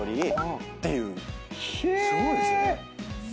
すごいですね。